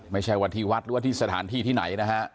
ไม่ใช่ว่าที่วัดหรือว่าที่สถานที่ที่ไหนนะฮะ